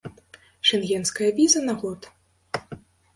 Шэнгенская віза на год.